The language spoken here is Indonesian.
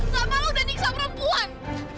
kamu udah nyiksa perempuan